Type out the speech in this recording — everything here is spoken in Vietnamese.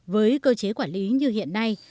với cơ chế quản lý như hiện nay